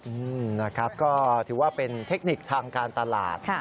อืมนะครับก็ถือว่าเป็นเทคนิคทางการตลาด